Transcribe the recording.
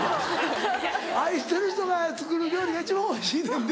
愛してる人が作る料理が一番おいしいねんで。